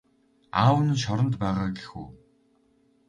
Аав нь шоронд байгаа гэх үү?